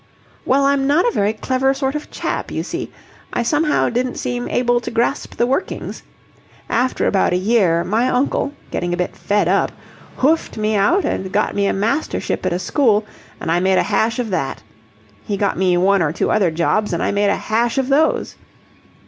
"Well, I'm not a very clever sort of chap, you see. I somehow didn't seem able to grasp the workings. After about a year, my uncle, getting a bit fed up, hoofed me out and got me a mastership at a school, and I made a hash of that. He got me one or two other jobs, and I made a hash of those."